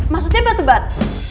maksudnya batu bat